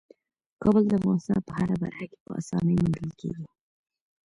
کابل د افغانستان په هره برخه کې په اسانۍ موندل کېږي.